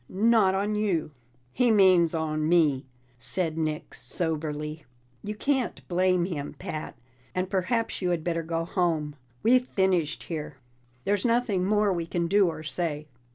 Not on you." "He means on me," said Nick soberly. "You can't blame him, Pat. And perhaps you had better go home; we've finished here. There's nothing more we can do or say."